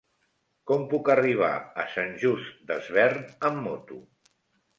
Com puc arribar a Sant Just Desvern amb moto?